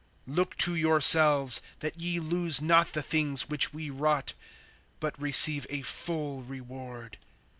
(8)Look to yourselves, that ye lose not the things which we wrought, but receive a full reward.